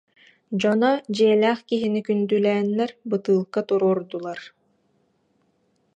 Дьоно дьиэ- лээх киһини күндүлээннэр бытыылка туруордулар